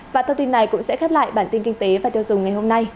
và thông tin này cũng sẽ khép lại bản tin kinh tế và tiêu dùng ngày hôm nay